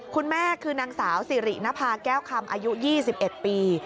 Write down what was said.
คุณแม่คือนางสาวสิรินภาแก้วคำอายุ๒๑ปี